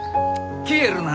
消えるな！